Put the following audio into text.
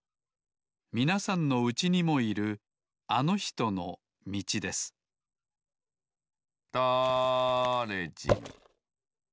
みなさんのうちにもいるあのひとのみちですだれじんだれじん